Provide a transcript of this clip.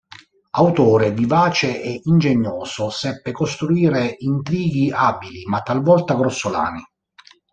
Autore vivace e ingegnoso, seppe costruire intrighi abili, ma talvolta grossolani.